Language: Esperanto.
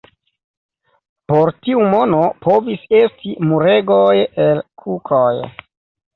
Por tiu mono povis esti muregoj el kukoj.